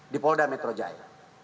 di polda metro jaya